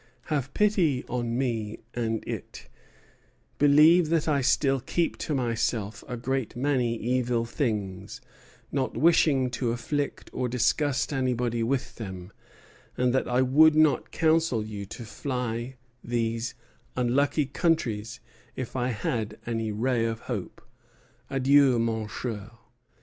Have pity on me and it; believe that I still keep to myself a great many evil things, not wishing to afflict or disgust anybody with them, and that I would not counsel you to fly these unlucky countries if I had any ray of hope. Adieu, mon cher!"